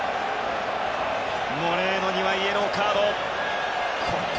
モレーノにはイエローカード。